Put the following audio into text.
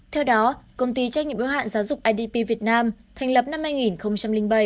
theo đó công ty trách nhiệm yếu hạn giáo dục idp việt nam thành lập năm hai nghìn bảy